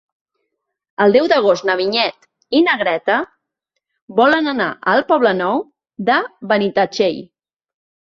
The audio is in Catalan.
El deu d'agost na Vinyet i na Greta volen anar al Poble Nou de Benitatxell.